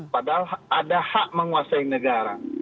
padahal ada hak menguasai negara